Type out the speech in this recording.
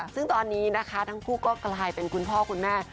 ซึ่งตอนนี้นะคะทั้งคู่ก็กลายเป็นคุณพ่อคุณแม่